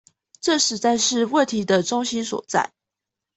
這實在是問題的中心所在